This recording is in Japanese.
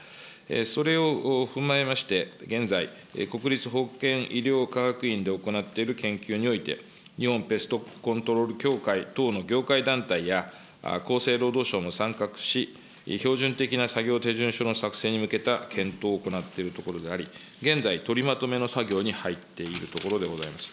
それを踏まえまして、現在、国立保健医療科学院で行っている研究において、日本ペストコントロール協会等の業界団体や厚生労働省も参画し、標準的な作業手順書の作成に向けた検討を行っているところであり、現在、取りまとめの作業に入っているところでございます。